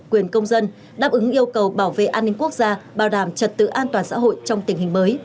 quyền công dân đáp ứng yêu cầu bảo vệ an ninh quốc gia bảo đảm trật tự an toàn xã hội trong tình hình mới